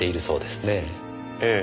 ええ。